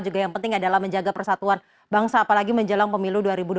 juga yang penting adalah menjaga persatuan bangsa apalagi menjelang pemilu dua ribu dua puluh